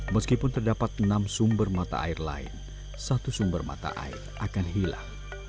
meskipun terdapat enam sumber mata air lain satu sumber mata air akan hilang